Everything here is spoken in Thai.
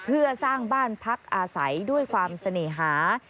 เพื่อสร้างบ้านพักอาศัยด้วยความเสน่หา